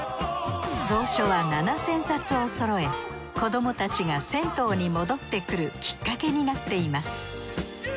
蔵書は７，０００冊をそろえ子どもたちが銭湯に戻ってくるきっかけになっています。